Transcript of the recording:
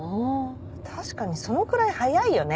確かにそのくらい早いよね。